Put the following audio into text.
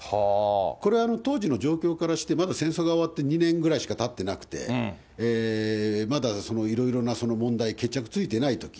これは当時の状況からして、まだ戦争が終わって２年ぐらいしかたってなくて、まだいろいろな問題、決着ついてないとき。